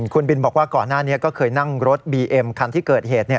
คุณบินบอกว่าก่อนหน้านี้ก็เคยนั่งรถบีเอ็มคันที่เกิดเหตุ